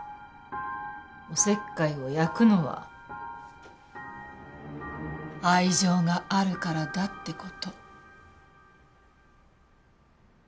おせっかいを焼くのは愛情があるからだって事。